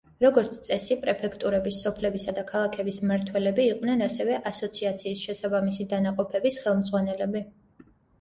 როგორც წესი, პრეფექტურების, სოფლებისა და ქალაქების მმართველები იყვნენ ასევე ასოციაციის შესაბამისი დანაყოფების ხელმძღვანელები.